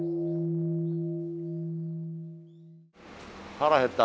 腹減った。